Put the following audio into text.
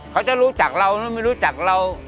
เขาจะรู้จักเราหรือไม่รู้จักเรา